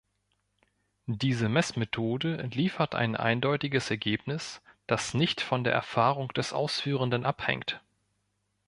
Diese Messmethode liefert ein eindeutiges Ergebnis, das nicht von der Erfahrung des Ausführenden abhängt.